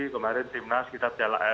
kemarin timnas kita gagal